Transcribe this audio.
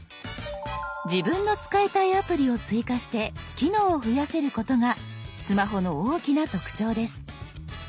自分の使いたいアプリを追加して機能を増やせることがスマホの大きな特徴です。